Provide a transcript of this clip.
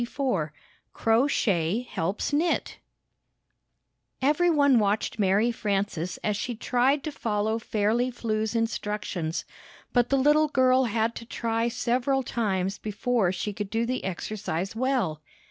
"¥il^OT two keep 6"' ^VERYONE watched Mary Frances as she tried to follow Fairly Flew's instruc tions ; but the little girl had to try several times before she could do the exercise well.